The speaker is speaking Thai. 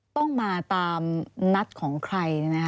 ต้องมาตามนัดของใครเนี่ยนะคะ